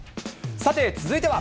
さて、続いては。